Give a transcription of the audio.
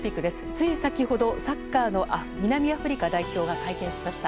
つい先ほどサッカーの南アフリカ代表が会見しました。